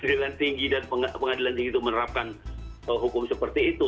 pengadilan tinggi dan pengadilan tinggi itu menerapkan hukum seperti itu